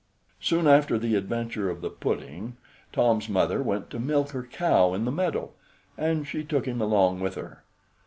Soon after the adventure of the pudding, Tom's mother went to milk her cow in the meadow, and she took him along with her.